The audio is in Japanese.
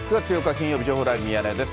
金曜日、情報ライブミヤネ屋です。